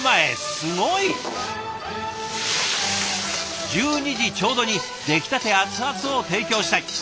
すごい！１２時ちょうどに出来たて熱々を提供したい。